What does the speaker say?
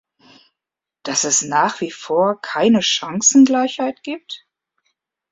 Dass es nach wie vor keine Chancengleichheit gibt?